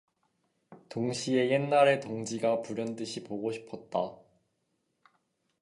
동시에 옛날의 동지가 불현듯이 보고 싶었다.